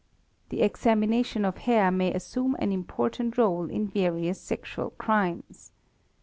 The examination of hair may assume an important role in various sexual crimes.